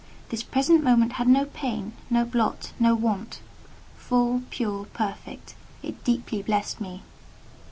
This present moment had no pain, no blot, no want; full, pure, perfect, it deeply blessed me.